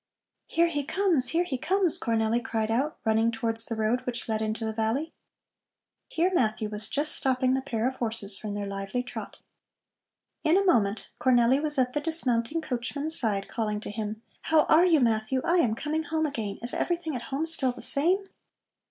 "Here he comes, here he comes!" Cornelli cried out, running towards the road which led into the valley. Here Matthew was just stopping the pair of horses from their lively trot. In a moment Cornelli was at the dismounting coachman's side, calling to him: "How are you, Matthew? I am coming home again. Is everything at home still the same?"